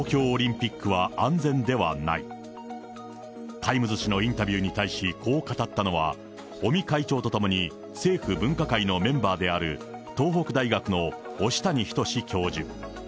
タイムズ紙のインタビューに対しこう語ったのは、尾身会長とともに、政府分科会のメンバーである東北大学の押谷仁教授。